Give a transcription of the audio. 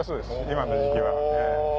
今の時季は。